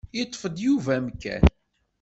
Iṭṭef-d Yuba amkan.